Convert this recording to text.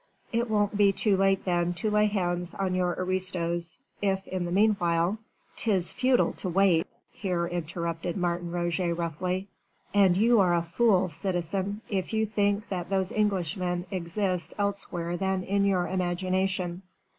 It won't be too late then to lay hands on your aristos, if in the meanwhile...." "'Tis futile to wait," here interrupted Martin Roget roughly, "and you are a fool, citizen, if you think that those Englishmen exist elsewhere than in your imagination."